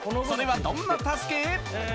それはどんな助け？